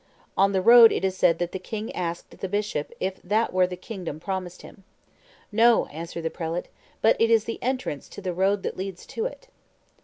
On the road it is said that the king asked the bishop if that were the kingdom promised him: 'No,' answered the prelate, 'but it is the entrance to the road that leads to it.